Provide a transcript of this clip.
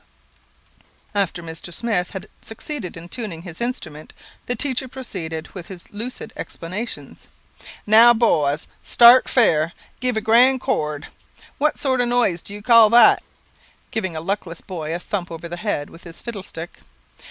After Mr. Smith had succeeded in tuning his instrument, the teacher proceeded with his lucid explanations: "Now, boys, start fair; give a grand chord. What sort of a noise do you call that? (giving a luckless boy a thump over the head with his fiddle stick).